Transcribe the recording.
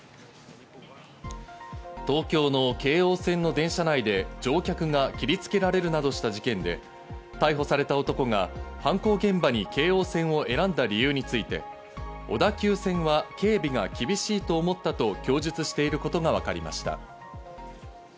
東京の京王線の電車内で乗客が切りつけられるなどした事件で、逮捕された男が犯行現場に京王線を選んだ理由について、小田急線は警備が厳しいと思ったと供述していることがわかりました。